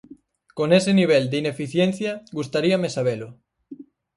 Con ese nivel de ineficiencia, gustaríame sabelo.